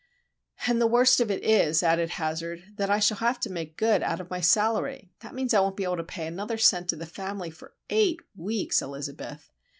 "And the worst of it is," added Hazard, "that I shall have to make good out of my salary. That means I won't be able to pay another cent to the family for eight weeks, Elizabeth.